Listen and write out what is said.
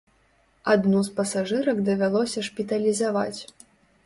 Адну з пасажырак давялося шпіталізаваць.